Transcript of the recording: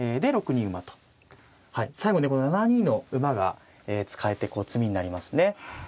最後ねこの７二の馬が使えてこう詰みになりますね。